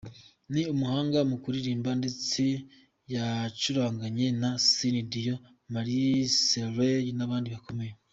Ni umuhanga mu kuririmba ndetse yacuranganye na Celine Dion, Mariah Carey n’abandi bakomeye.